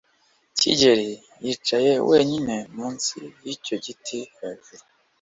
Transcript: Kigeri yicaye wenyine munsi yicyo giti hejuru.